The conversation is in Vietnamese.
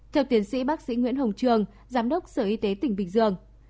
theo tiến sĩ bác sĩ nguyễn hồng trường giám đốc sở y tế tỉnh bình dương